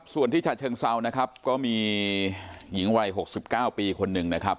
ส่วนที่ฉะเชิงเซานะครับก็มีหญิงวัย๖๙ปีคนหนึ่งนะครับ